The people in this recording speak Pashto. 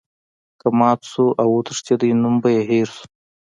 که مات شو او وتښتیدی نوم به یې هیر شو.